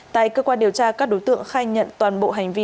tại cơ quan điều tra các đối tượng khai nhận toàn bộ hành vi